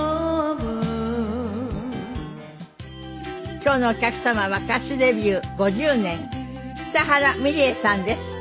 今日のお客様は歌手デビュー５０年北原ミレイさんです。